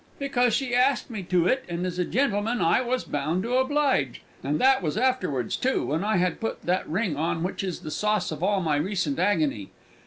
Because she asked me to it and as a Gentleman I was bound to oblige! And that was afterwards too, when I had put that ring on which is the sauce of all my recent aggony.